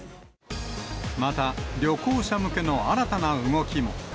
また、旅行者向けの新たな動きも。